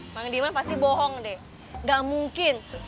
emangnya ada yang cemburu kalo kita makan berdua